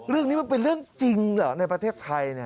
เรื่องนี้มันเป็นเรื่องจริงเหรอในประเทศไทย